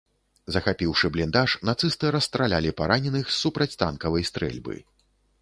Захапіўшы бліндаж, нацысты расстралялі параненых з супрацьтанкавай стрэльбы.